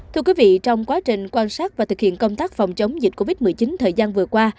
thưa quý vị trong quá trình quan sát và thực hiện công tác phòng chống dịch covid một mươi chín thời gian vừa qua